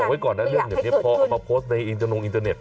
แต่บอกไว้ก่อนนะเรื่องนี้พอเอามาโพสต์ในอินเทอร์โน้งอินเทอร์เน็ต